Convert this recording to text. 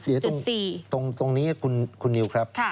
เดี๋ยวตรงนี้คุณนิวครับ